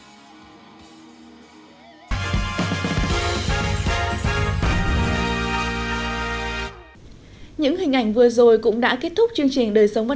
theo sự sôi động của các ban nhạc đã khuấy động sân khấu v rock hai nghìn một mươi chín với hàng loạt ca khúc không trọng lực một cuộc sống khác